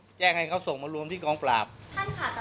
เนื่องจากว่าอยู่ระหว่างการรวมพญาหลักฐานนั่นเองครับ